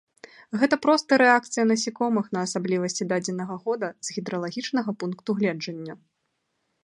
Гэта проста рэакцыя насякомых на асаблівасці дадзенага года з гідралагічнага пункту гледжання.